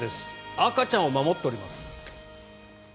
赤ちゃんを守っております。